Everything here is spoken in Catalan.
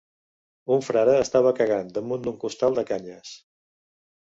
Un frare estava cagant damunt d’un costal de canyes.